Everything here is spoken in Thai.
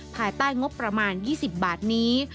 ภายใต้งบประมาณ๒๐บาทนี้